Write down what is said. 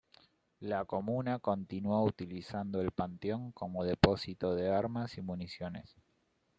La Comuna continuó utilizando el Panteón como depósito de armas y municiones.